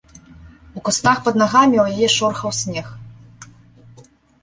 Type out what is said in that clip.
У кустах пад нагамі ў яе шорхаў снег.